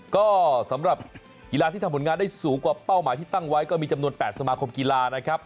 ก็สำหรับกีฬาที่ทำผลงานได้สูงกว่าเป้าหมายที่ตั้งไว้ก็มีจำนวน๘สมาคมกีฬานะครับ